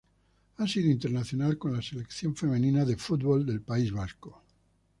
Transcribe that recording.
Ha sido internacional con la Selección femenina de fútbol del País Vasco.